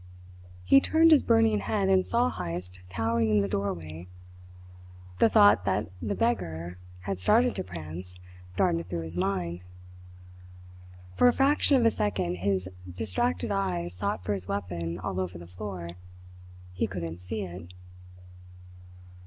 He turned his burning head, and saw Heyst towering in the doorway. The thought that the beggar had started to prance darted through his mind. For a fraction of a second his distracted eyes sought for his weapon all over the floor. He couldn't see it.